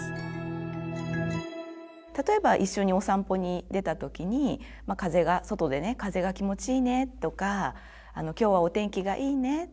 例えば一緒にお散歩に出た時に外でね「風が気持ちいいね」とか「今日はお天気がいいね」とか。